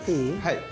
はい。